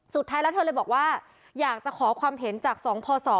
สุดท้ายแล้วเธอเลยบอกว่าอยากจะขอความเห็นจาก๒พศ